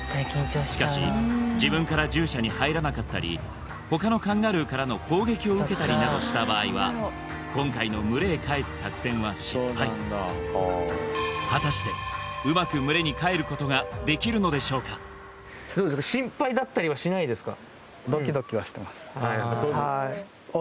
しかし自分から獣舎に入らなかったり他のカンガルーからの攻撃を受けたりなどした場合は今回の群れへ帰す作戦は失敗果たしてうまく群れに帰ることができるのでしょうか心配だったりはしないですか？